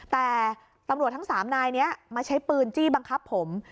แต่ตำรวจทั้ง๓นายนี้มาใช้ปืนจี้บังคับผม